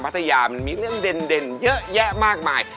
พัทยามันมีชื่อเยอะแยะมากมาย